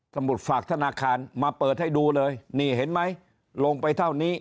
มุดฝากธนาคารมาเปิดให้ดูเลยนี่เห็นไหมลงไปเท่านี้